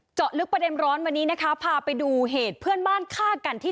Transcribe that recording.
เจาะลึกประเด็นร้อนวันนี้นะคะพาไปดูเหตุเพื่อนบ้านฆ่ากันที่